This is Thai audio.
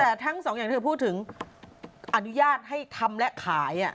แต่ทั้งสองอย่างที่เธอพูดถึงอนุญาตให้ทำและขาย